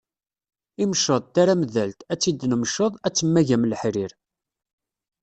Imceḍ, taremdalt, ad tt-id-nemceḍ, ad temmag am leḥrir.